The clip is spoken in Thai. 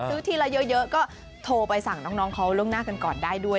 ซื้อทีละเยอะก็โทรไปสั่งน้องน้องเขาเรื่องหน้ากันก่อนได้ด้วย